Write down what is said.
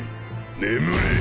眠れ！